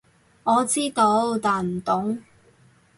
我知道，但唔懂